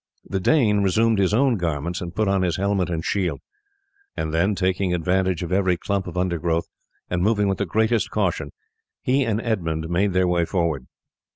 The Dane resumed his own garments and put on his helmet and shield; and then, taking advantage of every clump of undergrowth, and moving with the greatest caution, he and Edmund made their way forward.